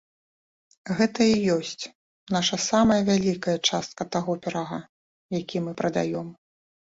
Гэта і ёсць наша самая вялікая частка таго пірага, які мы прадаём.